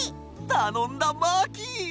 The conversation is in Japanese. たのんだマーキー！